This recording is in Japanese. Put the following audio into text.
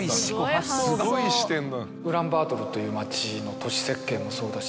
ウランバートルという町の都市設計もそうだし。